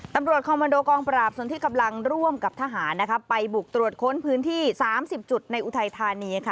ตำรวจคอมมันโดกองปราบส่วนที่กำลังร่วมกับทหารนะคะไปบุกตรวจค้นพื้นที่๓๐จุดในอุทัยธานีค่ะ